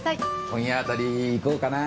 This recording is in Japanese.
今夜あたり行こうかな。